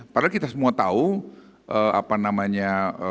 padahal kita semua tahu apa namanya